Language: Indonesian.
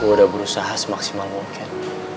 gue udah berusaha semaksimal mungkin